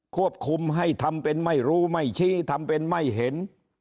ควบคุมให้ทำเป็นไม่รู้ไม่ชี้ทำเป็นไม่เห็น